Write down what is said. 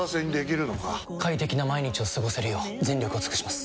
快適な毎日を過ごせるよう全力を尽くします！